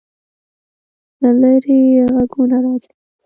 له لیرې غږونه راتلل.